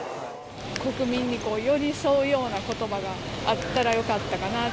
国民に寄り添うようなことばがあったらよかったかなって。